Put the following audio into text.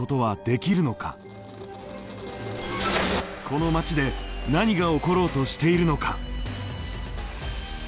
この町で何が起ころうとしているのか。